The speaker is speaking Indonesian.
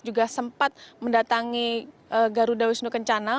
juga sempat mendatangi garuda wisnu kencana